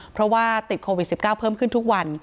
เพราะว่าติดโควิด๑๙เพิ่มขึ้นทุกวัน